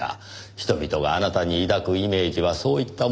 人々があなたに抱くイメージはそういったものでしょう。